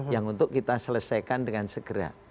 yang untuk kita selesaikan dengan segera